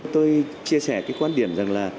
tôi chia sẻ cái quan điểm rằng là